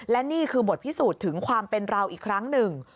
และนี่คือบทพิสูจน์ถึงความเป็นเราอีกครั้งหนึ่ง